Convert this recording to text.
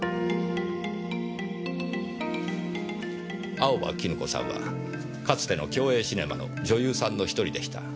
青葉絹子さんはかつての共映シネマの女優さんの１人でした。